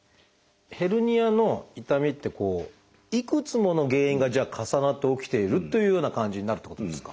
ヘルニアの痛みっていくつもの原因が重なって起きているというような感じになるってことですか？